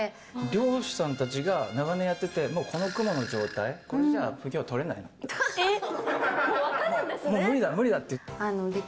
漁師さんたちが長年やってて、もうこの雲の状態じゃあ、これじゃきょう撮れないなって。